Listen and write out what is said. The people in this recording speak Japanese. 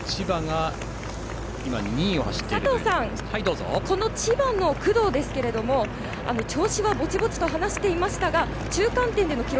佐藤さん、千葉の工藤ですが調子はぼちぼちと話していましたが中間点での記録